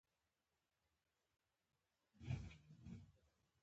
د فیوډالانو لپاره شاړې ځمکې هیڅ ارزښت نه درلود.